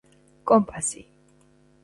კომპასი